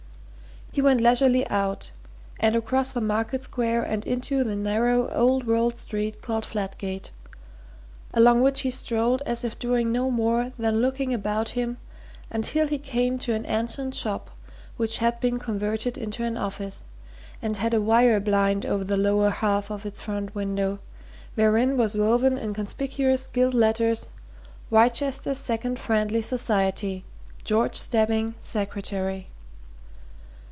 He went leisurely out and across the market square and into the narrow, old world street called Fladgate, along which he strolled as if doing no more than looking about him until he came to an ancient shop which had been converted into an office, and had a wire blind over the lower half of its front window, wherein was woven in conspicuous gilt letters Wrychester Second Friendly Society George Stebbing, Secretary.